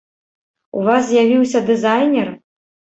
У вас з'явіўся дызайнер?